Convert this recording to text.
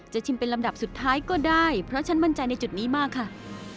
ชิมเป็นลำดับสุดท้ายก็ได้เพราะฉันมั่นใจในจุดนี้มากค่ะ